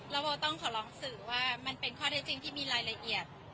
แล้วโบต้องขอร้องสื่อว่ามันเป็นข้อเท็จจริงที่มีรายละเอียด